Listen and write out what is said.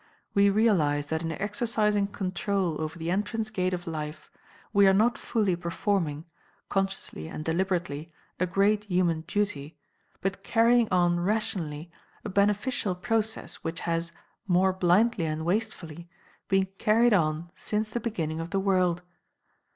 We realize that in exercising control over the entrance gate of life we are not fully performing, consciously and deliberately, a great human duty, but carrying on rationally a beneficial process which has, more blindly and wastefully, been carried on since the beginning of the world.